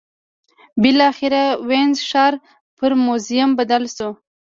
بالاخره وینز ښار پر موزیم بدل شو.